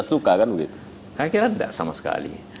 saya kira tidak sama sekali